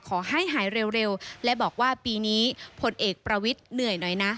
ขอให้หายเร็วและบอกว่าปีนี้พลเอกประวิทย์เหนื่อยหน่อยนะ